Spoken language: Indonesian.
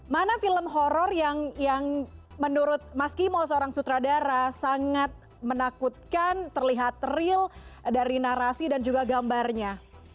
mana film horror yang menurut mas kimo seorang sutradara sangat menakutkan terlihat real dari narasi dan juga gambarnya